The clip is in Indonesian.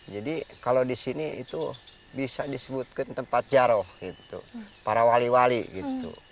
jadi kalau di sini itu bisa disebutkan tempat jaroh gitu para wali wali gitu